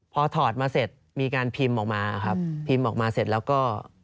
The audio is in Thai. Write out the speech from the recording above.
พอถอดมาเสร็จมีการพิมพ์ออกมาครับพิมพ์ออกมาเสร็จแล้วก็